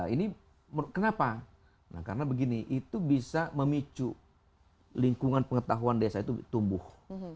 ini kenapa karena begini itu bisa memicu lingkungan pengetahuan desa itu tumbuh